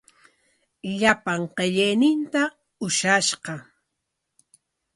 Llapan qillayninta ushashqa.